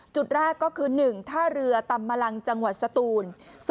จุดแรกก็คือ๑ท่าเรือตำมะลังจังหวัดสตูน